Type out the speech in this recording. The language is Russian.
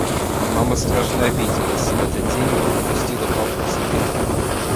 Мама страшно обиделась и в этот день не подпустила папу к себе.